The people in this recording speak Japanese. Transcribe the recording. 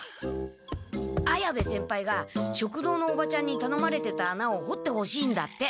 綾部先輩が食堂のおばちゃんにたのまれてた穴を掘ってほしいんだって。